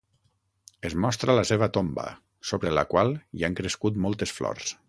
Es mostra la seva tomba, sobre la qual hi han crescut moltes flors.